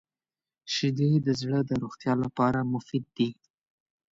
• شیدې د زړه د روغتیا لپاره مفید دي.